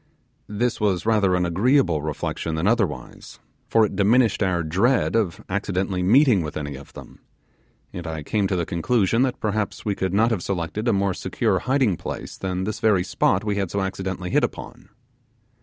This was rather an agreeable reflection than otherwise, for it diminished our dread of accidentally meeting with any of them, and I came to the conclusion that perhaps we could not have selected a more secure hiding place than this very spot we had so accidentally hit upon.